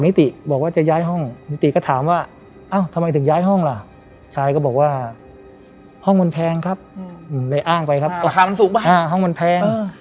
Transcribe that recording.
นิติก็ถามว่าอ้าวทำไมถึงย้ายห้องล่ะชายก็บอกว่าห้องมันแพงครับอืมเลยอ้างไปครับอ่าห้องมันสูงบ้างอ่าห้องมันแพงอ่า